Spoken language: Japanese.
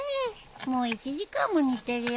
もう１時間も煮てるよ。